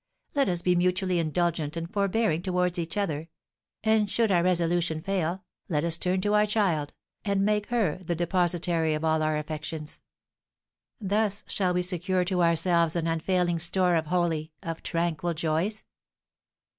Let us be mutually indulgent and forbearing towards each other; and, should our resolution fail, let us turn to our child, and make her the depositary of all our affections. Thus shall we secure to ourselves an unfailing store of holy, of tranquil joys."